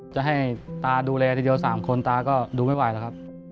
จะให้ตาดูแลทีเดียว๓คนตาก็ดูไม่ไหวแล้วครับ